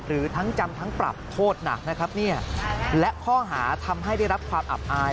หรือทั้งจำทั้งปรับโทษหนักนะครับเนี่ยและข้อหาทำให้ได้รับความอับอาย